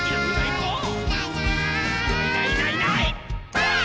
ばあっ！